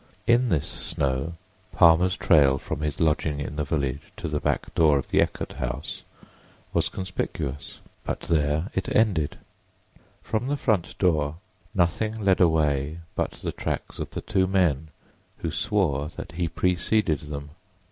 In this snow Palmer's trail from his lodging in the village to the back door of the Eckert house was conspicuous. But there it ended: from the front door nothing led away but the tracks of the two men who swore that he preceded them.